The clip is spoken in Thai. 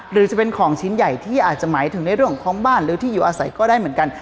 หรือจะเป็นของชิ้นใหญ่ที่อาจจะหมายถึงในเรื่องของบ้านหรือที่อยู่อาศัยก็ได้เหมือนกัน